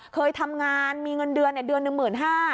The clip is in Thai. เคยทำงานมีเงินเดือนในเดือน๑๕๐๐๐